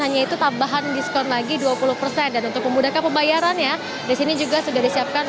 hanya itu tambahan diskon lagi dua puluh persen dan untuk memudahkan pembayarannya disini juga sudah disiapkan